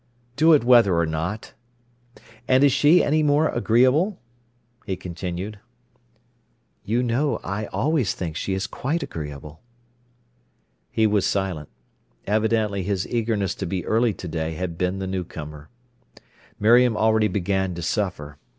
"Do it whether or not. And is she any more agreeable?" he continued. "You know I always think she is quite agreeable." He was silent. Evidently his eagerness to be early to day had been the newcomer. Miriam already began to suffer.